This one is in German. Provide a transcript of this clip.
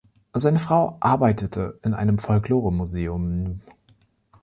Seine Frau arbeitete in einem Folklore-Museunm.